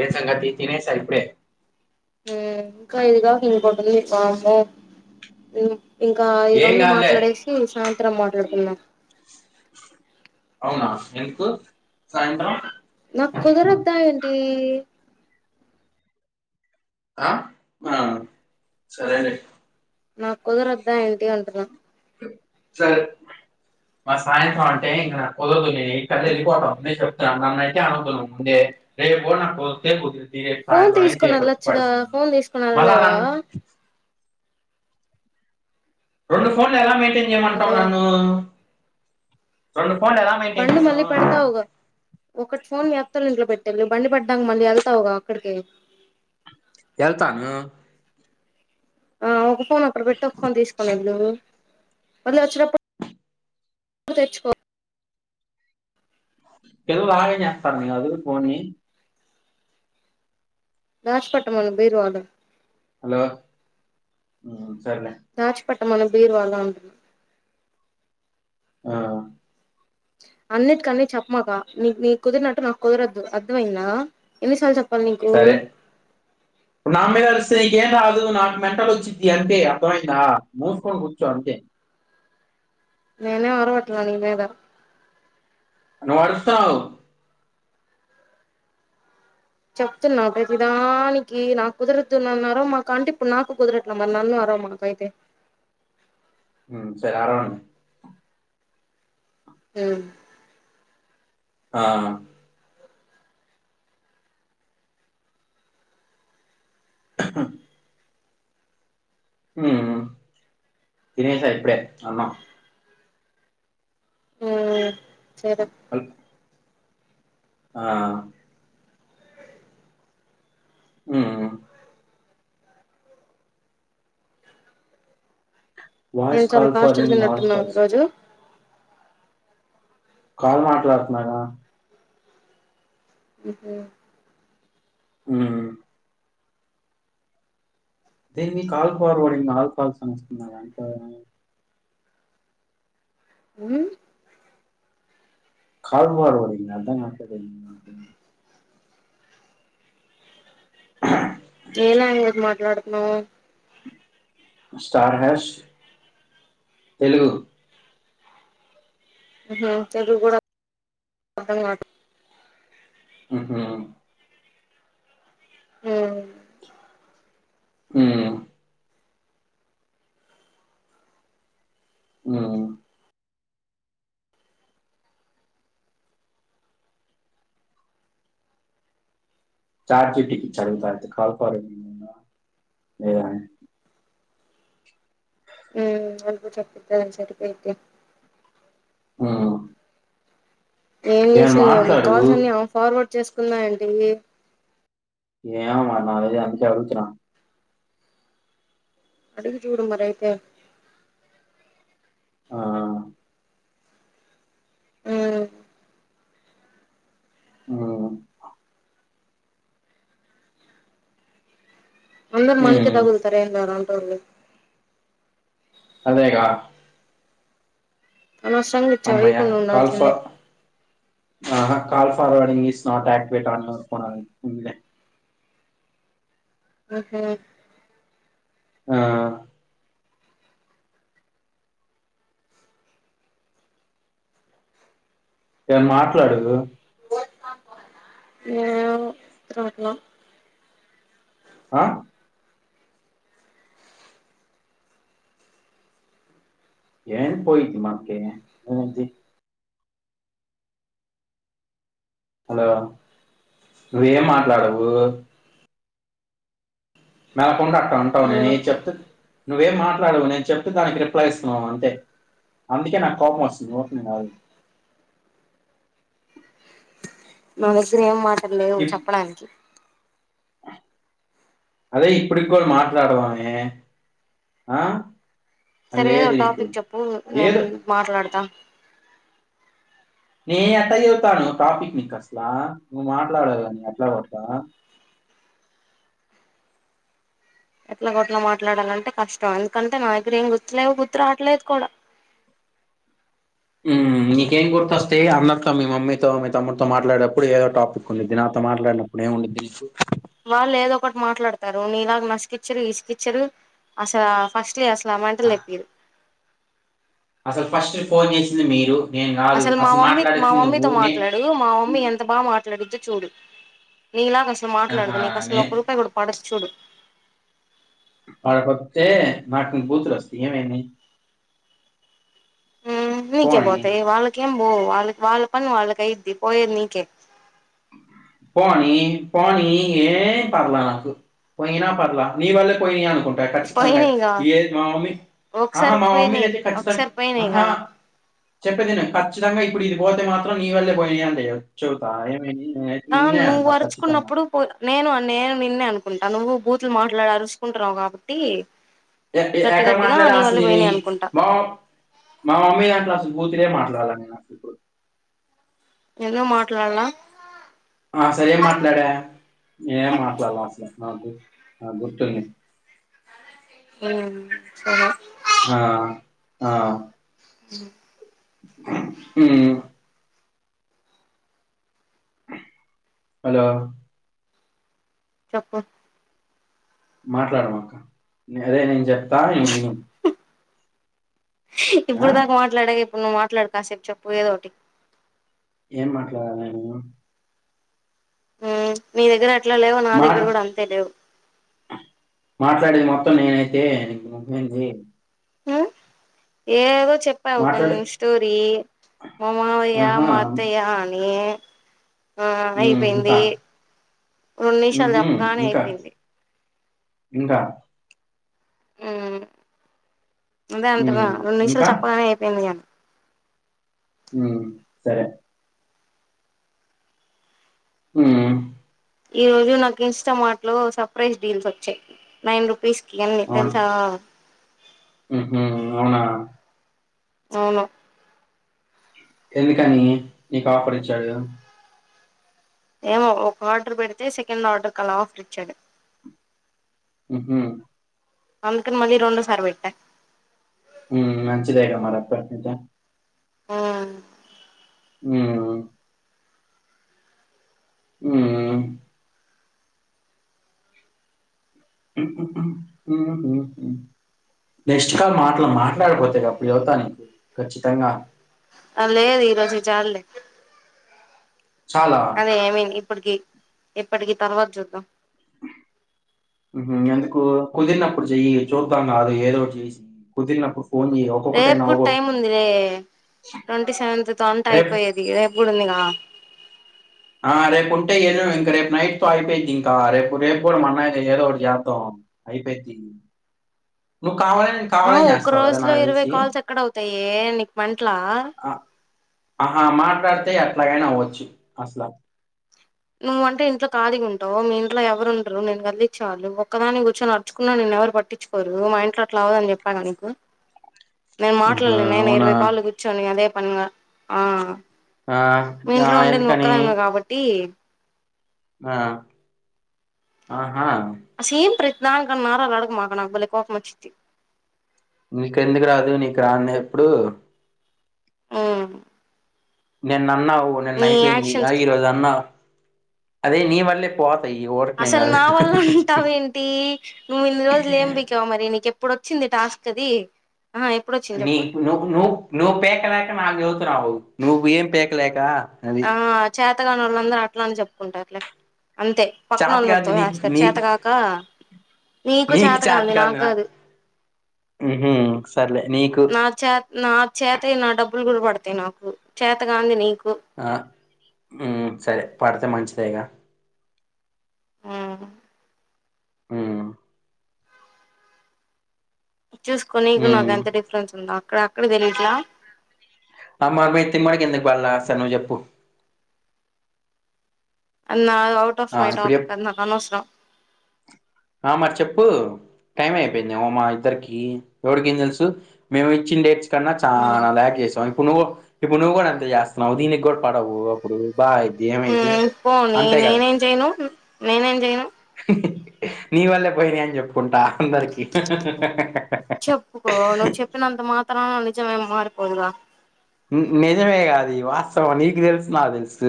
ఎం సంగతి తినేసా ఇప్పుడే ఇంకా ఇది గాక ఇంకోకటి వామ్మో హ్ ఇంకా ఈ ఏం రెండు కాదులే మాట్లాడేసి. సాయం త్రం మాట్లాడుకుందాం అవునా ఎందుకు సాయంత్రం ఏ ఆ అ సరేలే నాకు కుదరద్ధ ఏంటి అంటున్నా సరే మా సాయంత్రం అంటే ఇంక నాకుదరదు ఎయిట్ కళ్ల వెళ్ళిపోతా ముందే చెప్తూ తున్నా నాన్నాయితే అనొద్దు ముందే రేప్ పో నాకు ఓకే కుదిరిద్ది రేపు ఫోన్ సాయంత్రం అయితే చేయబట్టి తీసుకునెళ్ళచ్చుగ పడింది ఫోన్ మళ్ళా తీసుకొనెళ్లాలేవా నన్ను రెండు ఫోన్లు ఎలా మెయిన్ టైన్ చేయమంటావ్ హలో నన్ను రెండు ఫోన్లు ఎలా మెయింటెన్ బండి చేయను మళ్ళీ పెడతావుగా ఒకటి ఫోన్ చేత్తరు ఇంట్లో పెట్టెళ్ళు బండి పడ్డానికి మళ్ళీ వెళ్తావ్గా అక్కడికి ఏళ్తాను ఆ ఒక ఫోన్ అక్కడ బెట్టు ఒక ఫోన్ తీసుకొనేళ్ళు మళ్ళీ వచ్చేటప్పుడు తెచ్చుకో పిల్లలు ఆగం చేస్తారని కాదు పోనీ దాచిపెట్టమను బీరువాలో హలో సర్లే పెట్టామను బీరువాలో ఆ అన్నిటికన్ని చెప్పమాక నీక్ నీక్ కుదిరినట్టు నాకు కుదరద్దు అర్థమైందా ఎన్ని సార్లు చెప్ సరే నామీద అరుస్ తే ఏం రాదు నాకు మెంటల్ వచ్చింది అంతే అర్థమైందా మోసుకొని కూర్చో అంతే నేనేం అర్వట్లే నీ మీద నువ్వు అరుస్తున్నావ్ చెప్తున్నా ప్రతిదానికి నాకు కుదురుతున్నారో మాకంటే ఇప్పుడు నాకు కుదిరట్ల మరి నన్ను అర్వమాకు పయితే హు సరే అరవను హు ఆ హు తినేసా ఇప్పుడే అన్నాం హు సరే ఆ హు ఏం వాయిస్ చాలా కాల్ ఫస్ట్గా ఫార్వర్డింగ్ ఆల్ తిినట్టున్నావు ఈ కాల్స్ రోజు కాల్ మాట్లాడుతున్నాగా ఉహ హు దే మీ call forwarding all calls అని వస్తున్నా అంటలో హ్మ్ కాల్ ఫార్వర్డ్ అర్ధం కావట్లేదా నీకు [inaudible] ఏ లాంగ్వేజ్ మాట్లాడుతున్నావ్ స్టార్ హాష్ తెలుగు హ హ తెలుగు గుడా అర్థకావట్లేదు ఆహా! హ హ్మ్ హ్మ్ చాట్ జిపిటి [inaudible] [unintelligible] హ్మ్ ఏం ఏమైనా చేసిందో నీ మాట్లాడు కాల్స్ అన్ని ఫార్వర్డ్ చేసుకున్నా అండీ ఏమో మరి నాక్ తెలీదు అందుకే అడుగుతున్న. అడిగి జూడు మరైతే ఆ హ్మ్ మ్ అందరు మనకే హ్మ్. తగులుతరు [inaudible] అవును అదేగా అనవసరంగా ఇచ్చావ్ హమ్మయ్య! ఇయ్యాకుండా కాల్ ఉండాల్సింది. ఫర్ ఆహా! Call forward English not activate on [inaudible] హ్ మ్ ఆ ఏం మాట్లాడు. ఏమో రాట్లా అ ఏన్ పోయిటి మాకే [inaudible] హలో నువ్వేం మాట్లాడవు. మెలకుండా అక్కడ ఉంటావు నేనే ఉమ్ చెప్తుది నువ్వేం మాట్లాడవు నేను చెప్తే దానికి రిప్లై ఇస్తున్నావు అంతే అందుకే నాకు కోపం వస్తుంది ఓకేనండి నా దగ్గరా ఏం మాట్ లేవు ఇప్ చెప్పడానికి అదే ఇప్పుటికి కూడా మాట్లాడువామే ఆ అని సరే ఏదో లేదు ఒక నీకు టాపిక్ చెప్పు నేను ఏదో మాట్లాడ్తా నే ఎట్లా చెపుతాను టాపిక్ నీక్ అసలా నువ్వు మాట్లాడవ్గా ఎట్లాగో అట్లా ఎట్లా గొట్లా మాట్లాడాలంటే కష్టం ఎందుకంటే నా దగ్గర ఏం గుర్తులేవు గుర్తు రాట్లేదు కూడా మీ నీకేం గుర్తొస్తాయి అందరితో మీ మమ్మీతో మీ తమ్ముడితో మాట్లాడేప్పుడు ఏదో టాపిక్ ఉండుది. నాతో మాట్లాడినప్పుడు ఏం ఉండుది నీకు. వాళ్ళు ఏదో మాట్లాడతారు నీలాగా నసుకిచ్చరు ఇసుకిచ్చరు అసలు ఫస్ట్ అసల ఆ, మంటలేప్పరు అసలు ఫస్ట్ ఫోన్ చేసింది మీరు నేను కాదు అసలు మా మమ్మీ మా మాట్లాడేసింది నువ్వు మమ్మీతో నే మాట్లాడు మా మమ్మీ ఎంత బాగా మాట్లా ట్లాడించు చూడు నీ ఇలాగా అసలు ఆహా, మాట్లాడదు నీకు అసలు నే ఒక్క రూపాయి కూడా పడద్ చూడు పడకపోతే నాకొన్ని బూతులు వస్తాయి ఏమ ని హ నీకే పోతయి వాళ్ళకి ఏం పోవ్ వాళ్ళకి వాళ్ళ పని వాళ్ళ కైది పోయేది నీకే పోనీ పోనీ ఏం పర్లా నాకు పోయినా పర్లా నీ వళ్లే పోయినాయి అను ంటాయి ఖచ్చితంగా పోయినాయిగా మా మమ్మీ ఆహా ఒకసారి మా మమ్మీద పోయినాయి అయితే ఖచ్చితంగా ఒకసారి పోయినాయిగా ఆహా చెప్పేది ఇను ఖచ్చితంగా ఇప్పుడు ఇది పోతే మాత్రం నీ వల్లే పోయినయి అంట ఏమ ఆ నువ్వు పరుచుకున్నప్పుడు నేను నేను నిన్నే అనుకుంట త ను్వు బూతులు మాట్లాడ అరుసుకుంటున్నావు కాబట్టి ఎంటి గట్టి ఎట్ల గట్టిగా మాట్లాడ నీ వల్ల అసలి పోయినాయి అనుకుంటా మా మా మమ్మీ ఎట్ బూతిలే మాట్లా చాలసపో ఏదో మాట్లాడలా ఆ అసరే ఏం మాట్లాడా ఏం మాట్లాడాల అసలు ఆ గు గుర్తుంది సరే ఆ ఆ అ ఉం హలో చెప్పు మాట్లాడ మ అదే నేన్ చెప్ప [unintelligible] ఇప్పుడు దాకా మాట్లాడగా ఇప్పుడు నువ్వు మాట్లాడు కాసేపు చెప్పు ఏదో ఒకటి ఏం మాట్లాడాలి నేను ఉం నీ దగ్గర అట్లా లేవు నా మా దగ్గర కూడా అంతే లేవు త్త నేనైతే ఇక నువ్వెంది ఉం ఏవ చెప్పావు మాట్లాడే కొంచం స్టోరీ [inaudible] మా మమయ్యా ఆహా మా అతయ్యా అని ఆ ఉమ్, అయిపోయింది ఇంకా రెండు నిమిషాలు ఉహుం, చెప్పగానే ఇంకా అయిపోయింది ఇంకా ఉమ్ అదే అంటగా ఉమ్, రెండు నిమిషాలు ఇంకా చెప్పగానే అయిపోయింది కానీ ఉమ్ సరే ఉమ్ ఈ రోజు నాకు ఇన్స్టామార్ట్ లో సర్ప్రైజ్ డీల్స్ వచ్చాయి నైన్ రుపీస్ అవును ఉహూ అవునా అవును ఎందుకని నీకు ఆఫర్ ఇచ్చాడు ఏమో ఒక ఆర్డర్ పెడితే సెకండ్ ఆర్డర్ కలా ఆఫర్ ఇచ్చాడు ఉహూ అందుకని మళ్ళీ రెండో సారి పెట్ట మంచిదేగా మరిత ఆ హ్మ్ ఉమ్ నెక్స్ట్ కాల్ మాటలు మాట్లాడికపోతే అప్పుడు చెప్తా నీకు ఖచ్చితంగా అ లేది ఈ రోజుకి చాల్లే చాలా అదే ఐ మీన్ ఇప్పటికి ఎప్పటికి తర్వాత చూద్దాం ఎందుకు కుదిరినప్పుడు చెయ్ చూద్దాం కాదు ఏదో చేసి కుదిరినప్పుడు ఫోన్ చేయి రేపు ఒక్కొక్కటైనా కూడా టైమ్ అవగొట్టుకున్నాం ఉంది లే చిన్నగా. ట్వంటీ సెవెంతత్ తో అంట రేపు అయిపోయేది రేపు కూడా ఉంది ఆ ఆ రేపు ఉంటే ఏద ఇంక రేపు నైట్ తో అయిపోయిది ఇంకా రేపు రేపు కూడా అన్న ఏదో ఒకటి జెత్తాం అయిపోయిది ను ఆ ఒక రోజు లో ఇరవై కాల్స్ ఎక్కడ అవుతాయ నీకు పంటలా అయితే ఎట్లాగైనా అవ్వచ్చు అసలా నువ్వంటే ఇంట్లో కాలిగా ఉంటావు మీ ఇంట్లో ఎవరు ఉండరు నిన్ను కదిలిచ్చేవాళ్ళు ఒక్కదాని కూర్చొని అడుచుకున్నా నిన్ను ఎవరు పట్టించుకోరు మా ఇంట్లో అట్లా అవదుని చెప్పాగా నీకు నేను మాట్లడ ఆహా, లేను నేనే అవునా ఇరవై కాల్లు కూర్చొని అదేప పనిగా ఆ ఆ మీ ఆ ఇంట్లో ఉండేది నువ్వు ఎందుకని ఒక్కదానివే కాబట్టి ఆ ఆహా అసలెం ప్రతి దానికి నరాలు అడగమాక నాకు బలే కోపం వచ్చిది నీకెందుకు రాదు నీకు రాన్ ది ఎప్పుడు ఉమ్ నేన్ నీ యాక్షన్స్ కి అదే నీ వల్లే పోతాయి ఈ ఊరకనే అసలు కాదు నా వల్ల ఉంటావు ఏంటి నువ్వు ఇన్ని రోజులు ఏం పికావ్ మరి నీకె ఇప్పుడు వచ్చింది టాస్క్ అది ఆహా ఎప్పుడొచ్చింది నీ చెప్పు నువ్ నువ్వు నువ్ పీకలాక నాకుచెబుతున్నావు నువ్వు ఏం పి లేక ఆ చాత్ చేతగాని వాళ్ళందరూ అట్లా నే చెప్పుకుంటారు లే అంతే పక్కన చాతి వొళ్ళ మీద కాంది నీ తోసేస్తారు నీ చేతకాక నీకు చాతకాంది నాకు ఉ హుమ్ సర్లే నీకు నాకు చేతై నాకు చేతై నా డబ్ డబ్బులు కూడా పడతాయి నాకు చేతకాంది నీకు ఆ ఊమ్ సరే పడతే మంచిద్ దేగ ఆ ఊమ్ చూసుకొ నీకు నాకు ఉమ్ ఎంత డిఫరెన్స్ ఉందో అక్కడ అక్కడ తెలిట్లా అ మరి మీ తిమ్మడికి ఎందుకు పడ్ల సరె నువ్వు చెప్పు అన్నా అఔట్ ఆఫ్ మై ఆ ఇప్పుడు చెప్పు టాపిక్ అది నాకు అనో స్ రం ఆ మరి చెప్పు టైం అయిపోయింది ఏమో మా ఇద్దరికి ఎవడికి ఏం తెలుసు మేము ఇచ్చిన డేట్స్ కన్నా చాలా లాగ్ చేసావు ఇప్పుడు నువ్వు ఇప్పుడు నువ్వు కూడా అంతే చేస్తున్నావు దీనికి కూడా పడవు అప్పుడు బాగా అయిద్ది ఏమైద్ది ఊమ్ పోని అంతే కదా నేనేం చెయను నేనేం చెయను నీ వాళ్ళే పోయినాయి అని చెప్పు కుంటా అందరికి నిజమేమి మారిపోదుగా నిజమే గా అది వాస్తవం నీకు తెలుసు నా తెలుసు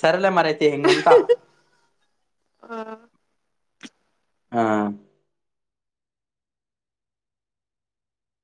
సర్లే మరి అయి అయితే ఉంట ఆ ఆ